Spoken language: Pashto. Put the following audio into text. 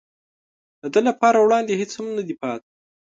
د ده لپاره وړاندې هېڅ هم نه دي پاتې.